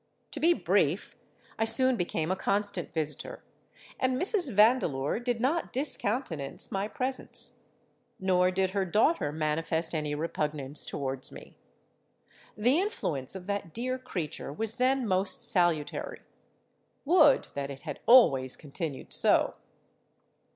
To be brief, I soon became a constant visitor; and Mrs. Vandeleur did not discountenance my presence. Nor did her daughter manifest any repugnance towards me. The influence of that dear creature was then most salutary:—would that it had always continued so!